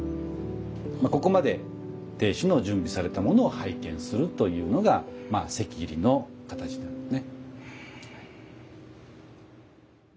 ここまで亭主の準備されたものを拝見するというのが席入りの形なんですね。